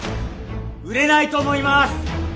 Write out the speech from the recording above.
売れないと思います